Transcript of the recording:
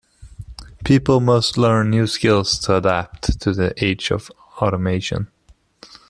People must learn new skills to adapt to the age of automation.